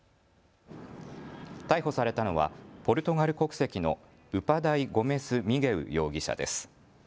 逮捕されたのはポルトガル国籍のウパダイ・ゴメス・ミゲウ容疑者です。